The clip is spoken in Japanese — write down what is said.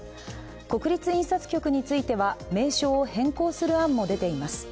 国立印刷局については名称を変更する案も出ています。